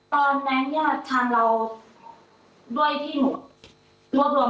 ตอนแม็กซ์เนี่ยทางเราด้วยที่หนูรวมพยานมาค่ะ